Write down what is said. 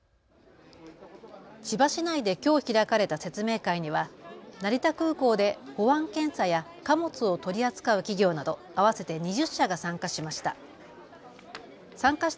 千葉市内できょう開かれた説明会には成田空港で保安検査や貨物を取り扱う企業など合わせて２０社が参加しました。